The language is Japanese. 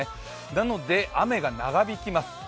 なので雨が長引きます。